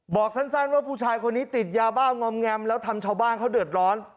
บอกสั้นว่าผู้ชายคนนี้ติดยาบ้างอมแงมแล้วทำชาวบ้านเขาเดือดร้อน